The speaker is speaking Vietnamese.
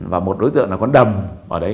và một đối tượng là con đầm ở đấy